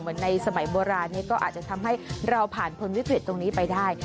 เหมือนในสมัยโบราณเนี่ยก็อาจจะทำให้เราผ่านพลวิทธิ์ตรงนี้ไปได้